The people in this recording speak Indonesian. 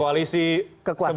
koalisi sebenarnya juga gitu